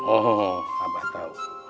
oh abah tau